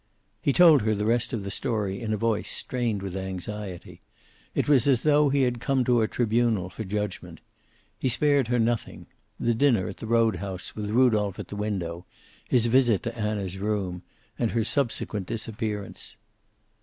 He told her the rest of the story in a voice strained with anxiety. It was as though he had come to a tribunal for judgment. He spared her nothing, the dinner at the road house with Rudolph at the window, his visit to Anna's room, and her subsequent disappearance.